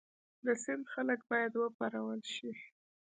د سند خلک باید وپارول شي.